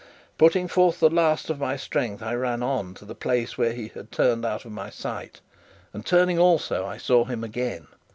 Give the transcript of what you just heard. Putting forth the last of my strength, I ran on to the place where he had turned out of my sight, and, turning also, I saw him again.